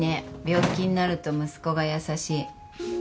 病気になると息子が優しい。